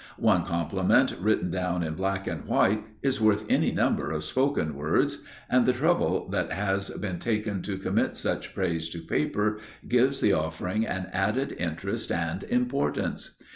One compliment written down in black and white is worth any number of spoken words, and the trouble that has been taken to commit such praise to paper gives the offering an added interest and importance.